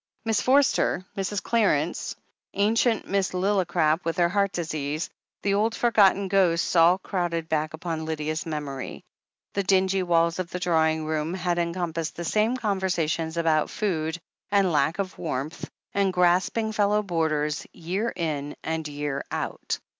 Miss Forster — Mrs. Clarence — ^ancient Miss Lilli crap, with her heart disease — ^the old, forgotten ghosts all crowded back upon Lydia's memory. The dingy walls of the drawing room had encom passed the same conversations about food, and lack o^ THE HEEL OF ACHILLES 445 warmth, and grasping fellow boarders, year in and year out.